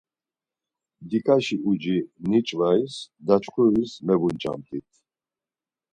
Dişkaşi uci niç̌vayis daçxuris mebunç̌amt̆it.